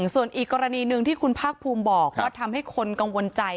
ส่วนอีกกรณีหนึ่งที่คุณภาคภูมิบอกว่าทำให้คนกังวลใจ